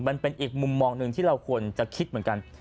มันเป็นอีกมุมมองหนึ่งที่เราควรจะคิดเหมือนกัน